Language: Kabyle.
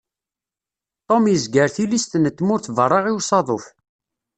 Tom yezger tilist n tmurt berra i usaḍuf.